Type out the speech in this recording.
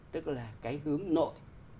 tức là cái hướng nội